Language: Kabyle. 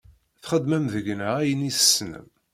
Txedmem deg-neɣ ayen i tessnem.